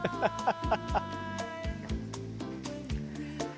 「ハハハハ！」